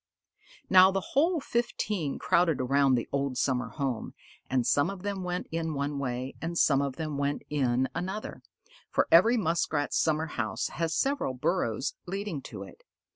Now the whole fifteen crowded around the old summer home, and some of them went in one way, and some of them went in another, for every Muskrat's summer house has several burrows leading to it.